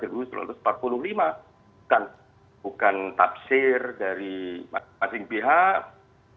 bukan tafsir dari masing masing pihak